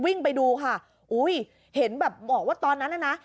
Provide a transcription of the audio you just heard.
วิ่งไปดูค่ะอุ้ยเห็นแบบบอกว่าตอนนั้นน่ะนะ